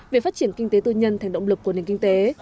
về phát triển kinh tế tư nhân thành động lực của nền kinh tế